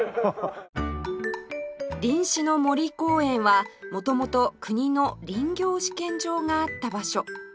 林試の森公園は元々国の林業試験場があった場所